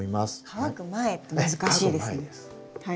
乾く前って難しいですねタイミング。